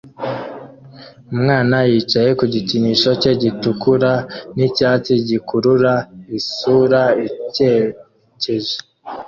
Umwana yicaye ku gikinisho cye gitukura nicyatsi gikurura isura isekeje